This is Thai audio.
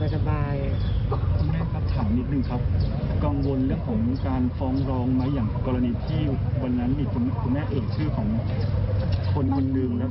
คุณแม่ครับถามนิดนึงครับกังวลเรื่องของการฟ้องร้องไหม